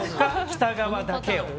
北側だけを。